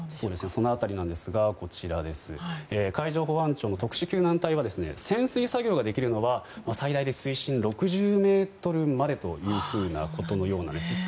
その辺りですが海上保安庁の特殊救難隊は潜水作業ができるのは最大で水深６０ｍまでということのようなんです。